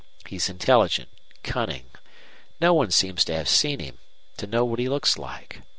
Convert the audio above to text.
He's intelligent, cunning. No one seems to have seen him to know what he looks like.